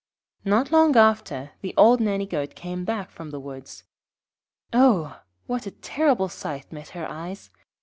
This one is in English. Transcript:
Not long after the old Nanny goat came back from the woods. Oh! what a terrible sight met her eyes!